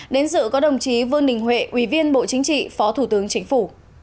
đến dự có đồng chí vương đình huệ ủy viên bộ chính trị phó thủ tướng chính phủ